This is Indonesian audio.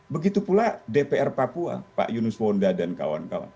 begitu pula dpr papua pak yunus wonda dan kawan kawan